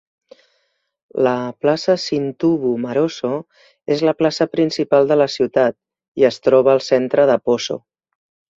La plaça Sintuwu Maroso és la plaça principal de la ciutat i es troba al centre de Poso.